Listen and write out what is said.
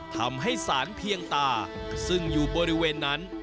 ทำให้สารเพียงตาซึ่งอยู่บริเวณนั้น